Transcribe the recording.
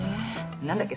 何だっけ